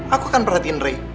aku akan perhatiin rey